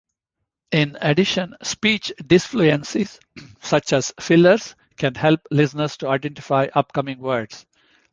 In addition, speech disfluencies such as fillers can help listeners to identify upcoming words.